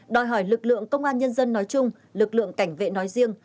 đòi hỏi lực lượng công an nhân dân nói chung lực lượng cảnh vệ nói riêng